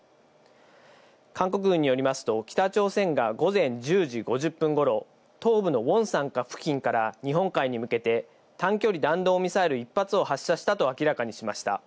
韓国軍によりますと、北朝鮮が午前１０時５０分頃、東部のウォンサン付近から日本海に向けて短距離弾道ミサイル１発を発射したと明らかにしました。